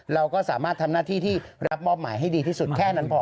เราก็สามารถทำหน้าที่ที่รับมอบหมายให้ดีที่สุดแค่นั้นพอ